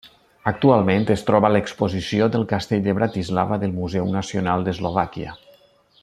Actualment, es troba a l'exposició del castell de Bratislava del Museu Nacional d'Eslovàquia.